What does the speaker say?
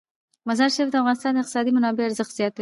مزارشریف د افغانستان د اقتصادي منابعو ارزښت زیاتوي.